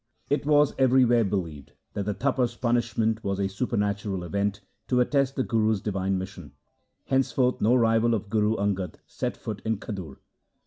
It was everywhere believed that the Tapa's punishment was a supernatural event to attest the Guru's divine mission. Henceforth no rival of Guru Angad set foot in Khadur.